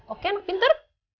oke nak pinter